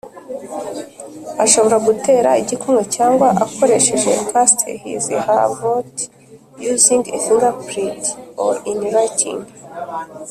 ashobora gutera igikumwe cyangwa agakoresha cast his her vote using a thumb print or in writing